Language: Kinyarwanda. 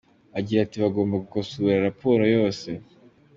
Agira ati “bagomba gukosora raporo yose.